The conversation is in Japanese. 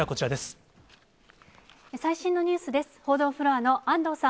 最新のニュースです。